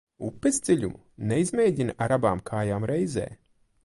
Upes dziļumu neizmēģina ar abām kājām reizē.